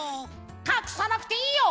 かくさなくていいよ！